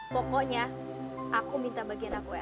pokoknya aku minta bagian aku